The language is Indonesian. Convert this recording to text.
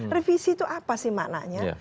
revisi itu apa sih maknanya